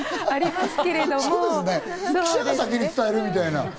みたいな。